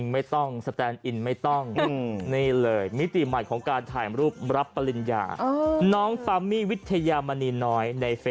วันที่๖มินาคมใครว่ามาถ่ายรูปกับมีนนะคะ